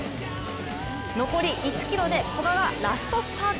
残り１ｋｍで古賀がラストスパート。